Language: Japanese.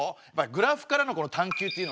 グラフからの探究っていうのはね